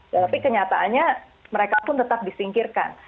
tapi kenyataannya mereka pun tetap disingkirkan